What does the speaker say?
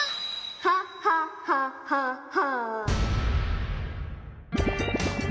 ははははは！